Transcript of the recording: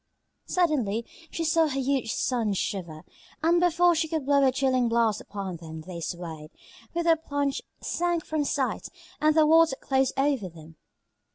Suddenly she saw her huge sons shiver, and before she could blow a chilling blast upon them they swayed, and with a plunge sank from sight, and the water closed over them.